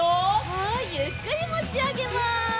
はいゆっくりもちあげます。